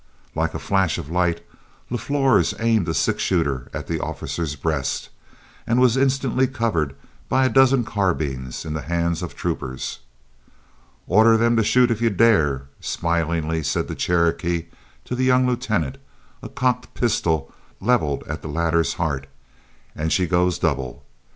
Like a flash of light, LaFlors aimed a six shooter at the officer's breast, and was instantly covered by a dozen carbines in the hands of troopers. "Order them to shoot if you dare," smilingly said the Cherokee to the young lieutenant, a cocked pistol leveled at the latter's heart, "and she goes double.